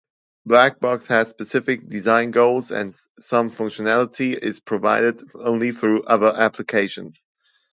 Blackbox has specific design goals, and some functionality is provided only through other applications.